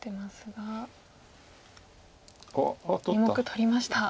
２目取りました。